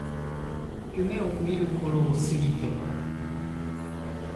夢見る頃を過ぎても